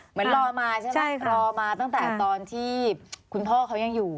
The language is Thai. เหมือนลอมาตั้งแต่ตอนที่คุณพ่อยังอยู่